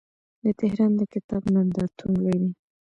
د تهران د کتاب نندارتون لوی دی.